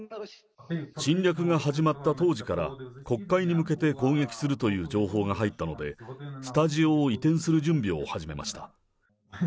侵略が始まった当時から、国会に向けて攻撃するという情報が入ったので、スタジオを移転する準備を始めました。